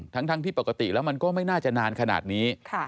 ทั้งที่ปกติแล้วมันก็ไม่น่าจะนานขนาดนี้